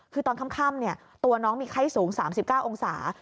คือตอนค่ำตัวน้องมีไข้สูง๓๙องศา